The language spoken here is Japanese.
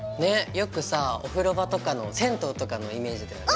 よくさお風呂場とかの銭湯とかのイメージだよね。